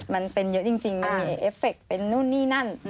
มันเป็นเยอะจริงมันมีเอฟเฟคเป็นนู่นนี่นั่น